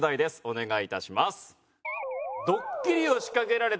お願いいたします。